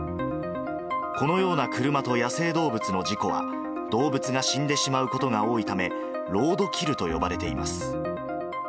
このような車と野生動物の事故は、動物が死んでしまうことが多いため、ロードキルと呼ばれています。